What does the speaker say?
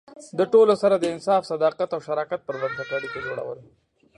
د ټولو سره د انصاف، صداقت او شراکت پر بنسټ اړیکې جوړول.